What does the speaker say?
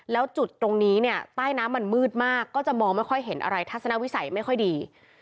แล้วจุดตรงนี้เนี่ยใต้น้ำมันมืดมากก็จะมองไม่ค่อยเห็นอะไรทัศนวิสัยไม่ค่อยดี